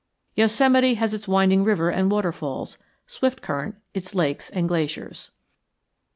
Yosemite has its winding river and waterfalls, Swiftcurrent its lakes and glaciers.